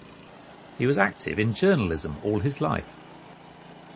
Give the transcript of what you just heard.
He was active in journalism all his life.